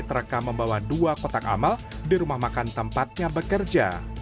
terekam membawa dua kotak amal di rumah makan tempatnya bekerja